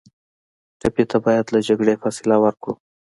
ټپي ته باید له جګړې فاصله ورکړو.